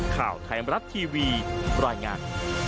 ข่าวไทยมรัฐทีวีรายงาน